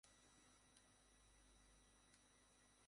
হামিদ মিরের ওপর আক্রমণের ঘটনায় বিচার বিভাগীয় তদন্ত কমিশন গঠন করা হয়েছে।